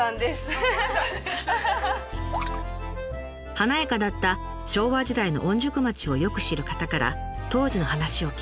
華やかだった昭和時代の御宿町をよく知る方から当時の話を聞いて勉強しているんだそうです。